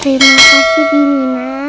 terima kasih bimina